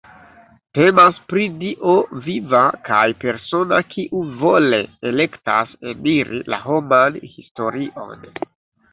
Temas pri Dio viva kaj persona kiu vole elektas eniri la homan historion.